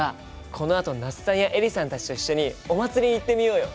このあと那須さんやエリさんたちと一緒にお祭りに行ってみようよ！